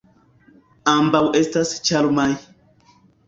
Ambaŭ estas ĉarmaj.